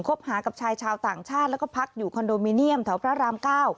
หากับชายชาวต่างชาติแล้วก็พักอยู่คอนโดมิเนียมแถวพระรามเก้า